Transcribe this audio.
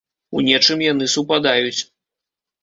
У нечым яны супадаюць.